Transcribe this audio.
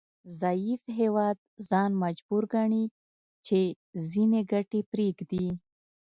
ضعیف هیواد ځان مجبور ګڼي چې ځینې ګټې پریږدي